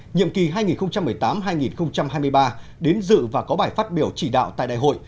nhiệm kỳ hai nghìn một mươi tám hai nghìn hai mươi ba đến dự và có bài phát biểu chỉ đạo tại đại hội